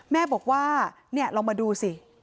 แม่บอกว่าลองมาดูสิ